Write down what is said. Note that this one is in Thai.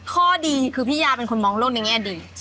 ข้อดีคือพี่ยาเป็นคนมองโลกในแง่ดี